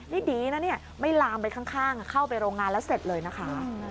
นี่ดีนะเนี่ยไม่ลามไปข้างเข้าไปโรงงานแล้วเสร็จเลยนะคะ